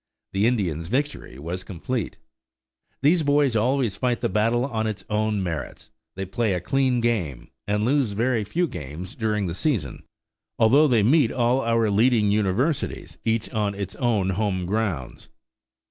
The Indians' victory was complete. These boys always fight the battle on its own merits; they play a clean game, and lose very few games during the season, although they meet all our leading universities, each on its own home grounds.